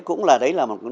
cũng là đấy là một con sông